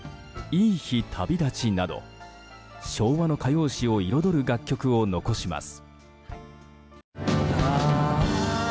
「いい日旅立ち」など昭和の歌謡史を彩る楽曲を残します。